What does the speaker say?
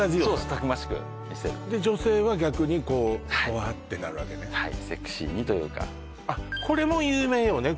たくましく見せる女性は逆にこうホワッてなるわけねセクシーにというかこれも有名よね